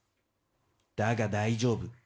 だが大丈夫。